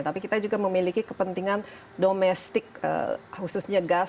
tapi kita juga memiliki kepentingan domestik khususnya gas